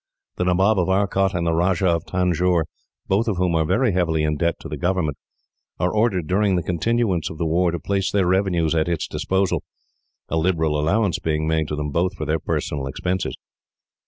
The Nabob of Arcot and the Rajah of Tanjore, both of whom are very heavily in debt to the government, are ordered, during the continuance of the war, to place their revenues at its disposal, a liberal allowance being made to them both for their personal expenses.